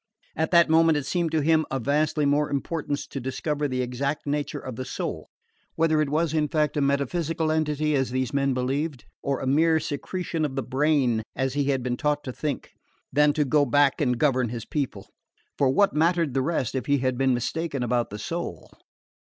At that moment it seemed to him of vastly more importance to discover the exact nature of the soul whether it was in fact a metaphysical entity, as these men believed, or a mere secretion of the brain, as he had been taught to think than to go back and govern his people. For what mattered the rest, if he had been mistaken about the soul?